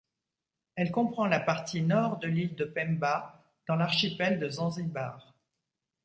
Elle comprend la partie nord de l'île de Pemba, dans l'archipel de Zanzibar.